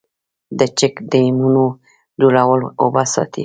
د چک ډیمونو جوړول اوبه ساتي